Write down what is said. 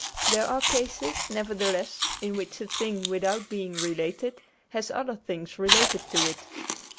There are cases, nevertheless, in which a thing, without being related, has other things related to it.